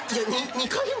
２回も。